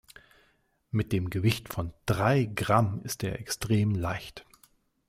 Mit dem Gewicht von drei Gramm ist er extrem leicht.